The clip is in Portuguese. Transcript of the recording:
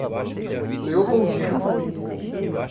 Leopoldina